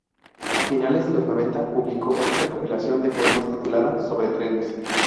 A finales de los noventa publicó otra recopilación de poemas titulada "Sobre trenes".